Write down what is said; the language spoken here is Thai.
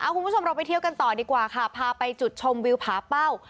คุณผู้ชมเราไปเที่ยวกันต่อดีกว่าค่ะพาไปจุดชมวิวผาเป้า